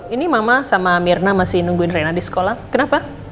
ini mama sama mirna masih nungguin rena di sekolah kenapa